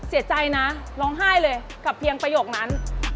เสียใจนะร้องไห้เลยกับเพียงประโยคนั้น